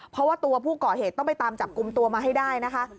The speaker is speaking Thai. เพราะว่าตัวผู้ก่อเหตุต้องไปตามจับกลุ่มตัวมาให้ได้นะคะ